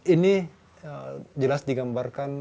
ini jelas digambarkan